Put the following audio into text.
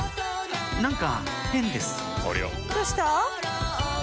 何か変ですどうした？